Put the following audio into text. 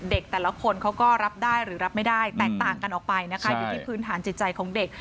แต่ละคนเขาก็รับได้หรือรับไม่ได้แตกต่างกันออกไปนะคะอยู่ที่พื้นฐานจิตใจของเด็ก